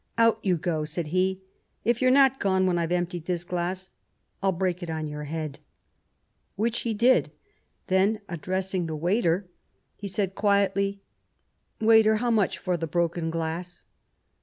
" Out you go !" said he. " If you're not gone when I've emptied this glass, I'll break it on your head." Which he did ; then addressing the waiter, he 30 Years of Preparation said quietly :" Waiter, how much for the broken glass